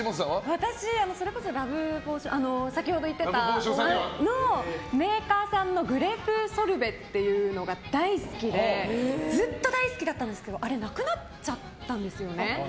私それこそラブポーションサーティーワンのメーカーさんのグレープソルベっていうのが大好きでずっと大好きだったんですけどあれなくなっちゃったんですよね。